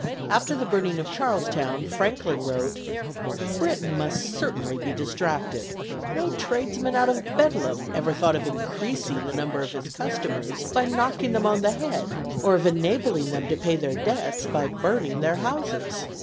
After the burning of Charlestown, Franklin wrote: "Britain must certainly be distracted. No tradesman out of Bedlam ever thought of increasing the number of his customers by knocking them on the head, or of enabling them to pay their debts by burning their houses.